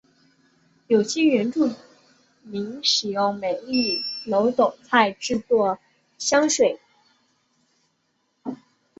有些原住民使用美丽耧斗菜制作香水。